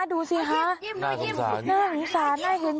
เด็กติดหวด